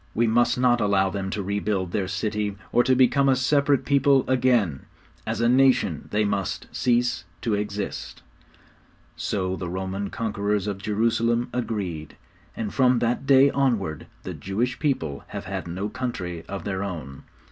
We must not allow them to rebuild their city, or to become a separate people again. As a nation they must cease to exist.' So the Roman conquerors of Jerusalem agreed; and from that day onward the Jewish people have had no country of their own.